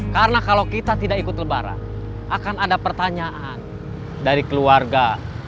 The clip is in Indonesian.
karena kalau kita tidak ikut lebaran akan ada pertanyaan dari keluarga